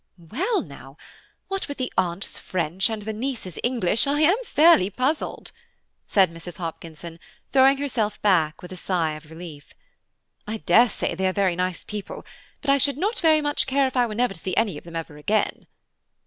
"Well now, what with the aunt's French and the niece's English, I am fairly puzzled!" said Mrs. Hopkinson, throwing herself back with a sign of relief. "I daresay they are very nice people, but I should not very much care if I were never to see any of them again."